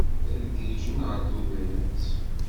Ad giǧǧen ɣer Tubiret?